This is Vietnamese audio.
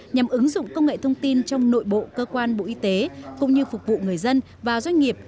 nhằm ứng dụng công nghệ thông tin trong nội bộ cơ quan bộ y tế cũng như phục vụ người dân và doanh nghiệp